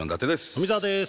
富澤です。